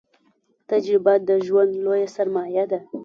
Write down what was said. تجربه د ژوند لويه سرمايه ده